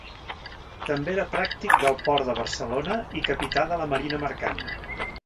També era pràctic del port de Barcelona i capità de la marina mercant.